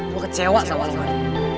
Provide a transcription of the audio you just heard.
gua kecewa sama lo